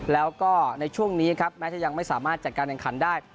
แล้วก็ในช่วงนี้ครับแม้จะยังไม่สามารถจัดการแข่งขันได้